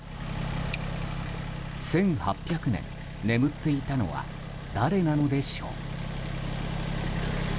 １８００年眠っていたのは誰なのでしょう。